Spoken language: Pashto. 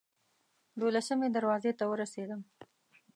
دولسمې دروازې ته ورسېدم.